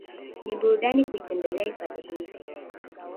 Ni burudani kuitembelea hifadhi hii